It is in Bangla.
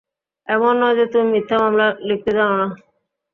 এমন নয় যে তুমি মিথ্যা মামলা লিখতে জানো না!